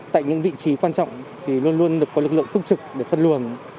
tại những vị trí quan trọng luôn luôn được có lực lượng tức trực để phân luồng